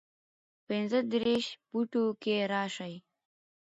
پنځۀدېرش فوټو کښې راشي